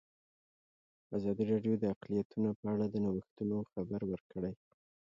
ازادي راډیو د اقلیتونه په اړه د نوښتونو خبر ورکړی.